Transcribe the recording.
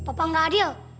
ih papa gak adil